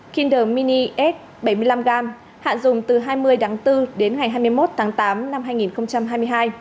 kinder surprise một trăm linh g kinder mini s bảy mươi năm g hạn dùng từ hai mươi đáng bốn đến ngày hai mươi một tháng tám năm hai nghìn hai mươi hai